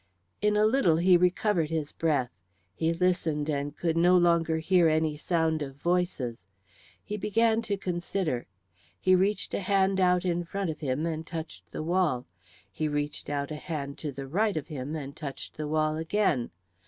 In a little he recovered his breath; he listened and could no longer hear any sound of voices; he began to consider. He reached a hand out in front of him and touched the wall; he reached out a hand to the right of him and touched the wall again.